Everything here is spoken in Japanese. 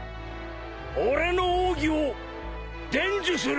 俺の奥義を伝授する！